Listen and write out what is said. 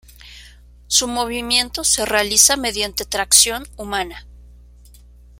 Su movimiento se realiza mediante tracción humana.